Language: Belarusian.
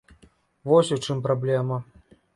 Вось у чым праблема.